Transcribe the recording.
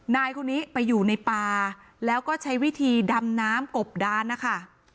นายคนนี้ไปอยู่ในป่าแล้วก็ใช้วิธีดำน้ำกบดานนะคะ